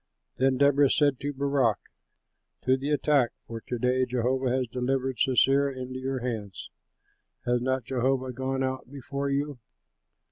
Then Deborah said to Barak, "To the attack! for to day Jehovah has delivered Sisera into your hands. Has not Jehovah gone out before you?"